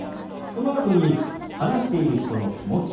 そのあとに話している人の気持ち